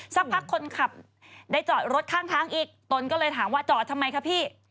สักพักคนขับได้จอดรถข้างทางอีกตนก็เลยถามว่าจอดทำไมคะพี่